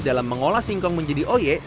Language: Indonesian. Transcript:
dalam mengolah singkong menjadi oye